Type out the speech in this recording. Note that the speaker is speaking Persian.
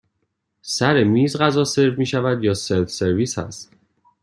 سر میز غذا سرو می شود یا سلف سرویس هست؟